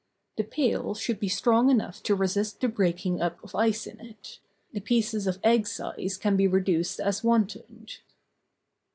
The pail should be strong enough to resist the breaking up of ice in it. The pieces of egg size can be reduced as wanted.